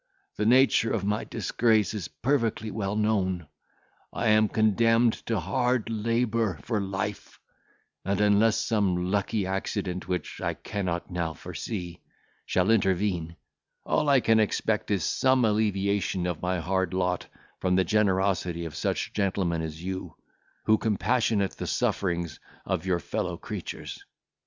The nature of my disgrace is perfectly well known. I am condemned to hard labour for life; and unless some lucky accident, which I cannot now foresee, shall intervene, all I can expect is some alleviation of my hard lot from the generosity of such gentlemen as you, who compassionate the sufferings of your fellow creatures.